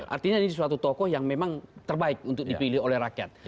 artinya ini suatu tokoh yang memang terbaik untuk dipilih oleh rakyat